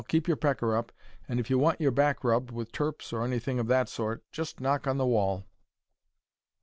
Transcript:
Keep your pecker up, and if you want your back rubbed with turps, or anything of that sort, just knock on the wall."